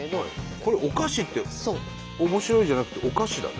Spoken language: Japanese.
これ「お菓子」って「面白い」じゃなくて「お菓子」だね。